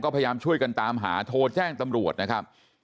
พยายามช่วยกันตามหาโทรแจ้งตำรวจนะครับ